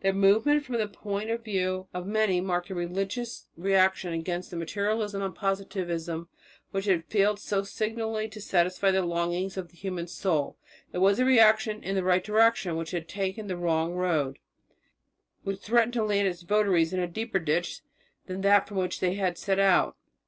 Their movement from the point of view of many marked a religious reaction against the materialism and positivism which had failed so signally to satisfy longings of the human soul. It was a reaction in the right direction which had taken the wrong road, which threatened to land its votaries in a deeper ditch than that from which they had set out.